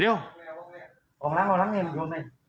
เร็ว